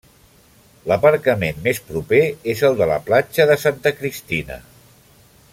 L’aparcament més proper és el de la Platja de Santa Cristina.